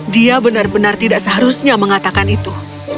dia benar benar tidak seharusnya mengatakan itu